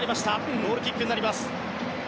ゴールキックになります。